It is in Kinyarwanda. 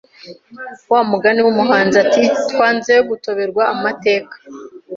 wa mugani w,umuhanzi ati twanze gutoberwa amateka!